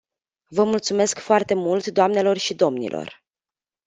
Vă mulțumesc foarte mult, doamnelor și domnilor.